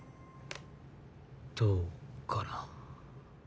どうかな？